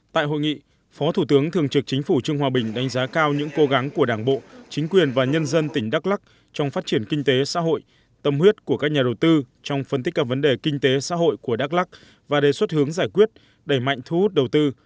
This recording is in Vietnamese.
tại hội nghị phó thủ tướng thường trực chính phủ trương hòa bình đánh giá cao những cố gắng của đảng bộ chính quyền và nhân dân tỉnh đắk lắc trong phát triển kinh tế xã hội tâm huyết của các nhà đầu tư trong phân tích các vấn đề kinh tế xã hội của đắk lắc và đề xuất hướng giải quyết đẩy mạnh thu hút đầu tư